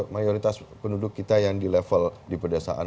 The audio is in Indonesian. mayoritas penduduk kita yang di level di pedesaan